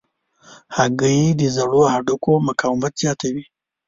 هګۍ د زړو هډوکو مقاومت زیاتوي.